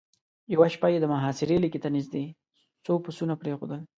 يوه شپه يې د محاصرې ليکې ته نېزدې څو پسونه پرېښودل.